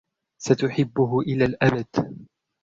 ستحبه إلى الأبد.